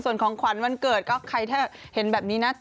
ส่วนของขวัญวันเกิดก็ใครถ้าเห็นแบบนี้นะ